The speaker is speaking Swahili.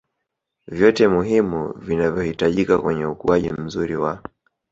vyote muhimu vinavyohitajika kwenye ukuaji mzuri wa